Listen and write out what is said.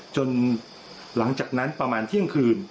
หลังจากนั้นประมาณเที่ยงคืน